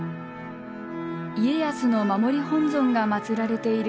家康の守り本尊が祀られている